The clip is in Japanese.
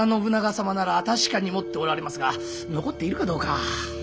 様なら確かに持っておられますが残っているかどうか。